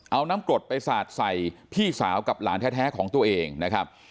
เอาน้ำกรดไปสาดใส่พี่สาวกับหลานแท้ของตัวเองนะครับ